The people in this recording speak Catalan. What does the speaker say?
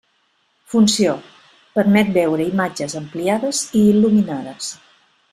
Funció: permet veure imatges ampliades i il·luminades.